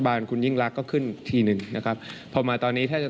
อาจจะกระชากระบบเศรษฐกิจไปบ้าง